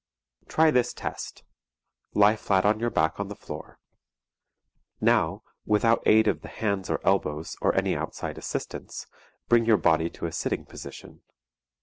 Try this test: Lie flat on your back on the floor. Now, without aid of the hands or elbows or any outside assistance, bring your body to a sitting position.